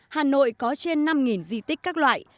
hà nội có trên năm di tích các loại